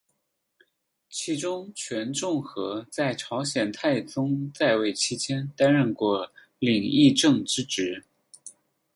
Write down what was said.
其中权仲和在朝鲜太宗在位期间担任过领议政之职。